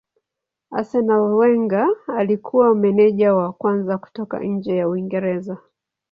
Arsenal Wenger alikuwa meneja wa kwanza kutoka nje ya Uingereza.